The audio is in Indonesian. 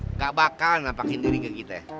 nggak bakal nampakin diri ke kita